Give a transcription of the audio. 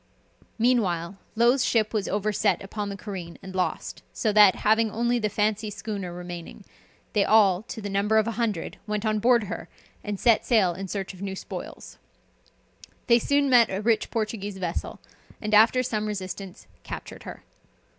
Meanwhile, Low's ship was overset upon the careen and lost, so that, having only the Fancy schooner remaining, they all, to the number of a hundred, went on board her, and set sail in search of new spoils. They soon met a rich Portuguese vessel, and after some resistance captured her.